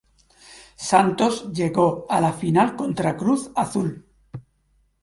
Santos llegó a la final contra Cruz Azul.